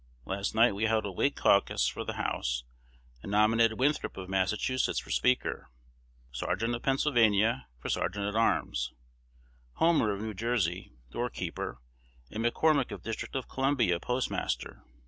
Last night we held a Whig caucus for the House, and nominated Winthrop of Massachusetts for Speaker, Sargent of Pennsylvania for Sergeant at arms, Homer of New Jersey Doorkeeper, and McCormick of District of Columbia Postmaster.